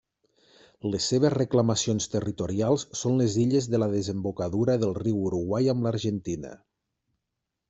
Les seves reclamacions territorials són les illes de la desembocadura del riu Uruguai amb l'Argentina.